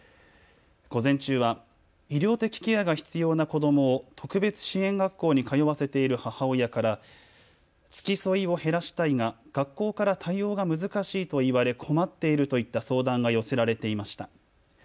午前中は医療的ケアが必要な子どもを特別支援学校に通わせている母親から付き添いを減らしたいが学校から対応が難しいと言われ困っているといった相談が寄せられていました。